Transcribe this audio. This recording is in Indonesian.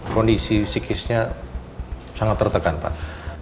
kondisi psikisnya sangat tertekan pak